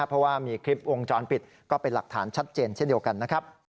เพราะว่ามีคลิปวงจรปิดก็เป็นหลักฐานชัดเจนเช่นเดียวกันนะครับ